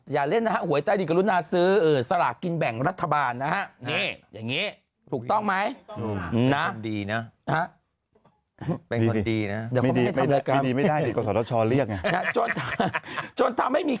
อย่าเล่นนะฮะหวยใต้ดินกรุณาซื้อสลากกินแบ่งรัฐบาลนะฮะ